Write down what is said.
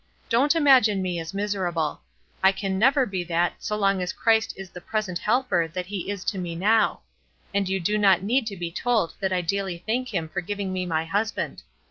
Don't imagine me as miserable; I can never be that so long as Christ is the present Helper that he is to me now; and you do not need to be told that I daily thank him for giving me my husband.